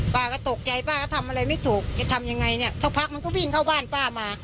ป้าก็ตกใจป้าก็ทำอะไรไม่ถูกจะทำยังไงเนี่ยสักพักมันก็วิ่งเข้าบ้านป้ามา